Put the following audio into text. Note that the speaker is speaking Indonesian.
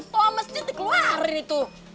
toa masjid dikeluarin itu